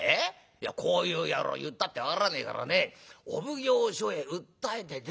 いやこういう野郎言ったって分からねえからねお奉行所へ訴えて出るってんですよ。